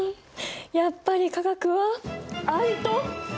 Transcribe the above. やっぱり化学は愛と情熱！